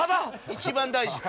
一番大事。